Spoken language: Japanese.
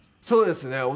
そうですね。